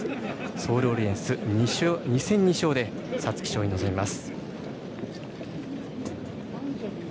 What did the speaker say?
ソールオリエンス、２戦２勝で皐月賞に臨みます。